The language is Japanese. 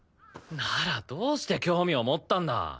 ならどうして興味を持ったんだ？